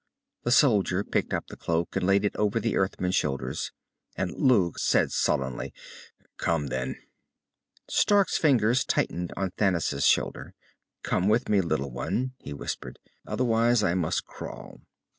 The soldier picked up the cloak and laid it over the Earthman's shoulders. And Lugh said sullenly, "Come, then." Stark's fingers tightened on Thanis' shoulder. "Come with me, little one," he whispered. "Otherwise, I must crawl."